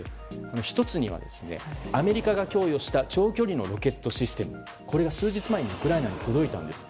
１つには、アメリカが供与した長距離のロケットシステムこれが数日前にウクライナに届いたんです。